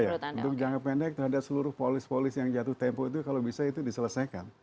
iya untuk jangka pendek terhadap seluruh polis polis yang jatuh tempo itu kalau bisa itu diselesaikan